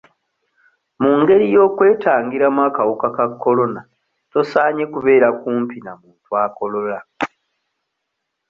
Mu ngeri y'okwetangiramu akawuka ka Corona tosaanye kubeera kumpi na muntu akolola